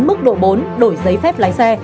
mức độ bốn đổi giấy phép lái xe